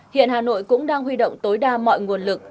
hiện hà nội cũng đang huy động tối đa mọi nguồn lực